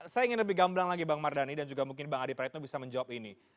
saya ingin lebih gamblang lagi bang mardhani dan juga mungkin bang adi praetno bisa menjawab ini